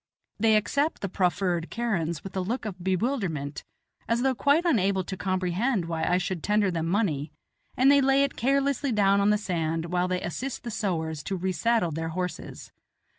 They accept the proffered kerans with a look of bewilderment, as though quite unable to comprehend why I should tender them money, and they lay it carelessly down on the sand while they assist the sowars to resaddle their horses.